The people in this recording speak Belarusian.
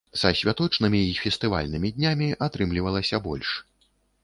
Са святочнымі і фестывальнымі днямі атрымлівалася больш.